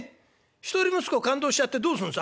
一人息子を勘当しちゃってどうするんです？